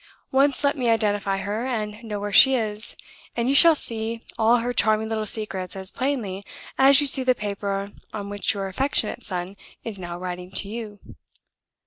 Once let me identify her, and know where she is, and you shall see all her charming little secrets as plainly as you see the paper on which your affectionate son is now writing to you.